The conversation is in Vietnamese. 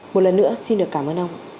một lần nữa xin được cảm ơn ông